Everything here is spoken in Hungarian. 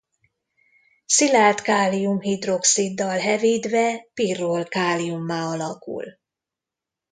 Szilárd kálium-hidroxiddal hevítve pirrol-káliummá alakul.